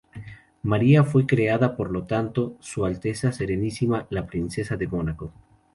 María fue creada por lo tanto, "Su Alteza Serenísima la Princesa de Mónaco".